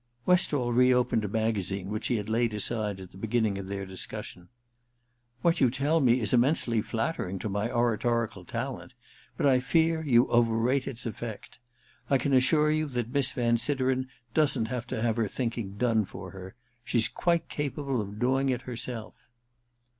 Westall reopened a magazine which he had laid aside at the beginning of their discussion. * What you tell me is immensely flattering to my oratorical talent — but I fear you overrate its effect. I can assure you that Miss Van Sideren doesn't have to have her thinking done for her. She's quite capable of doing it herself.'